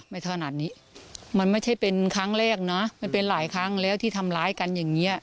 ขนาดนี้มันไม่ใช่เป็นครั้งแรกนะมันเป็นหลายครั้งแล้วที่ทำร้ายกันอย่างนี้